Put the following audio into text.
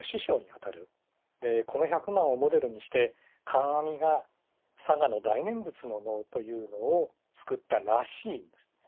この百万をモデルにして観阿弥が嵯峨の大念仏の能というのを作ったらしいんです。